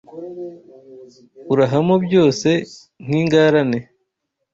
Urahamo byose nk’ingarane